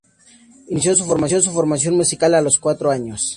Inició su formación musical a los cuatro años.